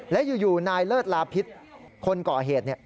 และอยู่นายเลิศลาพิษคนก่อเหตุ